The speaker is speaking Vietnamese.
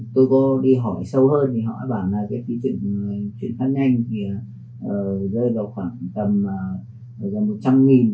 tôi có đi hỏi sâu hơn thì họ bảo là cái phí chuyển sát nhanh thì rơi vào khoảng tầm một trăm linh đồng